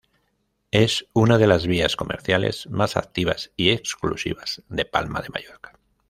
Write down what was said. Es una de las vías comerciales más activas y exclusivas de Palma de Mallorca.